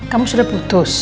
kamu sudah putus